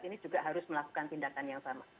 ini juga harus melakukan tindakan yang sama